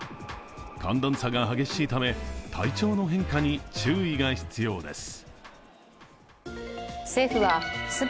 寒暖差が激しいため、体調の変化に注意が必要です。